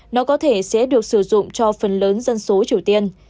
nó có thể sẽ được sử dụng cho phần lớn dân số triều tiên